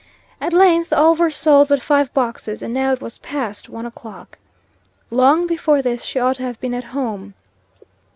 At length all were sold but five boxes, and now it was past one o'clock. Long before this she ought to have been at home.